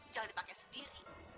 jangan dipakai sendiri